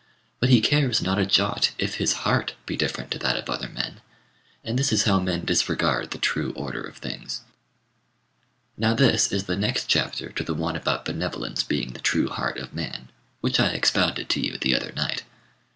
But he cares not a jot if his heart be different to that of other men; and this is how men disregard the true order of things." [Footnote 94: Ancient divisions of China.] Now this is the next chapter to the one about benevolence being the true heart of man, which I expounded to you the other night.